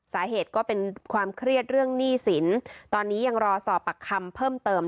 สาเหตุก็เป็นความเครียดเรื่องหนี้สินตอนนี้ยังรอสอบปากคำเพิ่มเติม